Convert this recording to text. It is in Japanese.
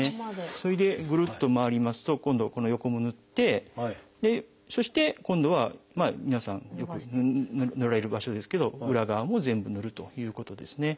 それでぐるっと回りますと今度はこの横もぬってそして今度は皆さんよくぬられる場所ですけど裏側も全部ぬるということですね。